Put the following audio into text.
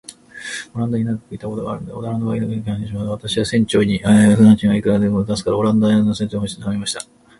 オランダに長らくいたことがあるので、オランダ語はらくに話せます。私は船長に、船賃はいくらでも出すから、オランダまで乗せて行ってほしいと頼みました。